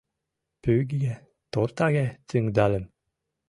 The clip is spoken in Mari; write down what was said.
Пӱгыге-тортаге тӱҥдальым.